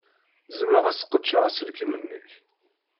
Zemreɣ ad sqedceɣ aselkim-nnek?